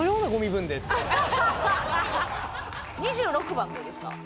２６番どうですか？